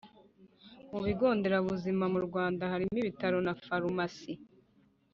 mu bigo nderabuzima mu rwanda harimo ibitaro na za farumasi.